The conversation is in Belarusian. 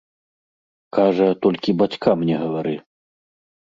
Кажа, толькі бацькам не гавары.